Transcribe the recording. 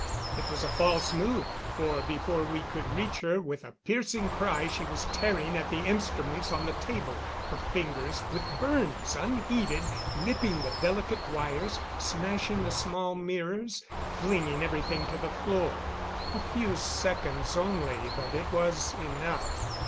It was a false move, for before we could reach her, with a piercing cry, she was tearing at the instruments on the table; her fingers, with burns unheeded, ripping the delicate wires, smashing the small mirrors, flinging everything to the floor. A few seconds only, but it was enough.